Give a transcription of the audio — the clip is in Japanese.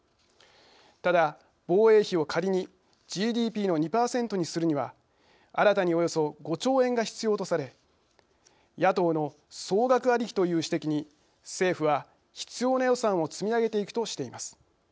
ただ、防衛費を仮にＧＤＰの２％にするには新たにおよそ５兆円が必要とされ野党の総額ありきという指摘に政府は必要な予算を積み上げていくとしています。